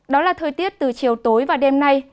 đó là thời tiết từ chiều tối và đêm nay